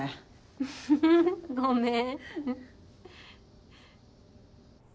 ウフフごめん。